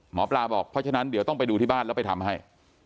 หมอปลาบอกเพราะฉะนั้นเดี๋ยวต้องไปดูที่บ้านแล้วไปทำให้